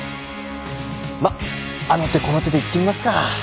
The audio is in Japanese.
まっあの手この手でいってみますか。